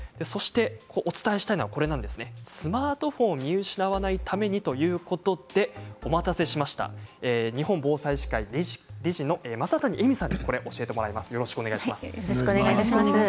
お伝えしたいのはスマートフォンを見失わないためにということで日本防災士会理事の正谷絵美さんに教えていただきます。